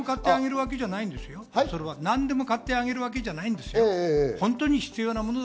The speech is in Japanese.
何でも買ってあげるってわけじゃないんですよ。